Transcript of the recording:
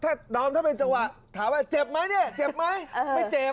ถ้าถ้าน้องทำเป็นจังหวะถามว่าเจ็บไหมเนี่ยเจ็บไหม